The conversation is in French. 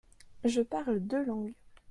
Je parle deux langues.